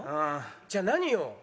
じゃあ何よ。